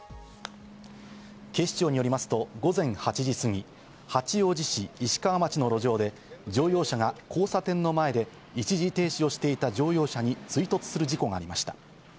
警視庁によりますと午前８時過ぎ、八王子市石川町の路上で、乗用車が交差点の前で一時停止をしていた乗用車に追突する事故がありました。